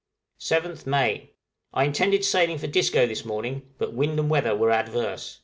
{MAY, 1858.} 7th May. I intended sailing for Disco this morning, but wind and weather were adverse.